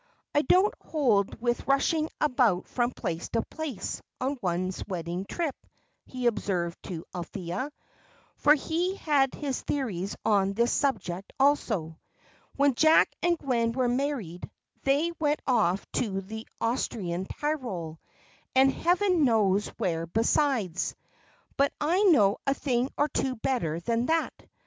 "I don't hold with rushing about from place to place, on one's wedding trip," he observed to Althea for he had his theories on this subject also. "When Jack and Gwen were married, they went off to the Austrian Tyrol, and Heaven knows where besides. But I know a thing or two better than that.